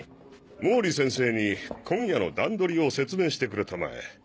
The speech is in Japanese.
毛利先生に今夜の段取りを説明してくれたまえ。